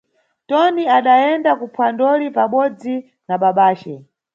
Toni adayenda kuphwandoli pabodzi na babace.